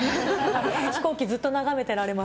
飛行機ずっと眺めてられます。